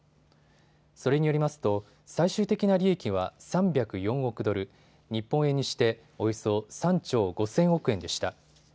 それによりますと最終的な利益は３０４億ドル、日本円にして、およそ３兆５０００億円でした。